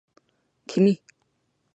君